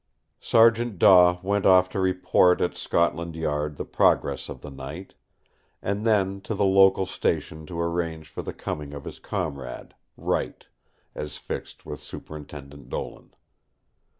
Sergeant Daw went off to report at Scotland Yard the progress of the night; and then to the local station to arrange for the coming of his comrade, Wright, as fixed with Superintendent Dolan.